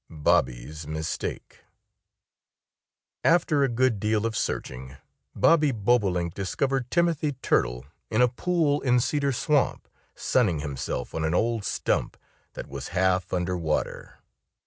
XIX BOBBY'S MISTAKE AFTER a good deal of searching Bobby Bobolink discovered Timothy Turtle in a pool in Cedar Swamp, sunning himself on an old stump that was half under water.